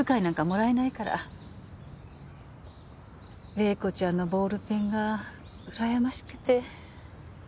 玲子ちゃんのボールペンがうらやましくて。